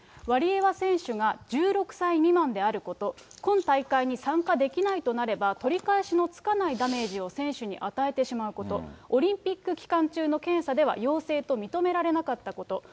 ワリエワ選手が１６歳未満であること、今大会に参加できないとなれば、取り返しのつかないダメージを選手に与えてしまうこと、オリンピック期間中の検査では、陽性と認められなかったこと。